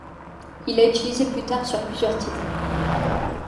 Il l'a utilisée plus tard sur plusieurs titres.